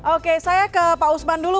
oke saya ke pak usman dulu